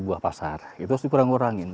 buah pasar itu harus dikurang kurangin